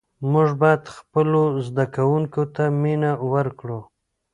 موږ باید خپلو زده کوونکو ته مینه ورکړو.